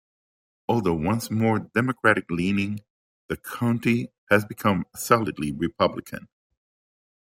Although once more Democratic-leaning, the county has become solidly Republican.